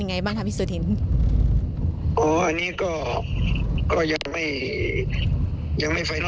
ไงบ้างครับพี่สุธินอ๋ออันนี้ก็ก็ยังไม่ยังไม่ไฟล